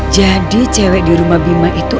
jadi cewek di rumah bima itu